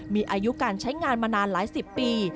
มีอายุการใช้งานมานานหลายสิบปี